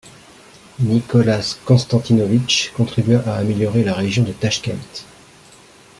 Nicolas Constantinovitch contribua à améliorer la région de Tachkent.